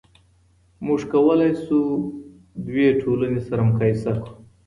موږ کولای سو دوې ټولنې سره مقایسه کړو.